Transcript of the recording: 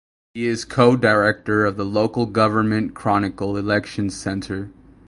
He is Co-Director of the Local Government Chronicle Elections Centre.